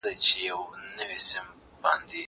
دا لیک له هغه مهم دی!